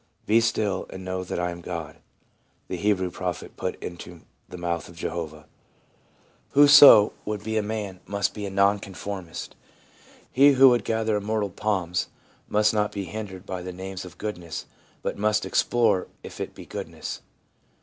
' Be still, and know that I am God/ the Hebrew prophet put into the mouth of Jehovah. n 1 Whoso would be a man must be a non conformist. He ^ who would gather immortal palms must not be hindered by the name of goodness, but must explore if it be goodness.